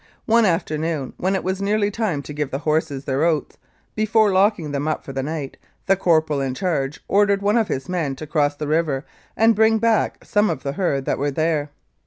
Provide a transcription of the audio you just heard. One after noon, when it was nearly time to give the horses their oats, before locking them up for the night, the corporal in charge ordered one of his men to cross the river and bring back some of the herd that were there.